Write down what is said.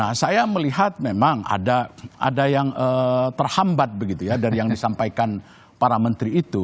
nah saya melihat memang ada yang terhambat begitu ya dari yang disampaikan para menteri itu